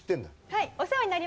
はい。